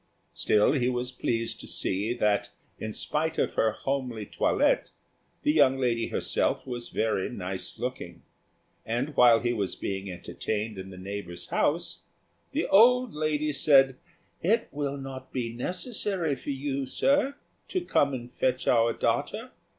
Still he was pleased to see that, in spite of her homely toilette, the young lady herself was very nice looking; and, while he was being entertained in the neighbour's house, the old lady said, "It will not be necessary for you, Sir, to come and fetch our daughter.